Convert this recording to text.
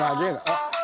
あっ！